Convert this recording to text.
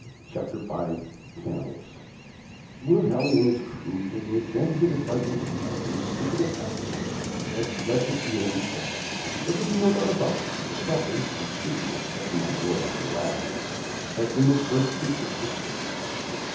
CHAPTER V CANNIBALS WILL HALLEY and his crew, taking advantage of the darkness of night and the sleep of the passengers, had fled with the only boat. There could be no doubt about it. The captain, whose duty would have kept him on board to the last, had been the first to quit the ship.